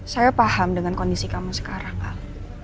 saya paham dengan kondisi kamu sekarang kak